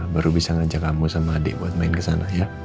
baru bisa ngajak kamu sama adik buat main ke sana ya